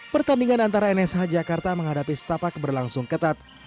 pertandingan antara nsh jakarta menghadapi setapak berlangsung ketat